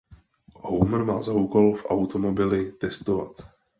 Homer má za úkol v automobily testovat.